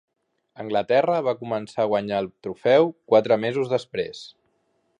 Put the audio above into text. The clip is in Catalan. Anglaterra va començar a guanyar el trofeu quatre mesos després.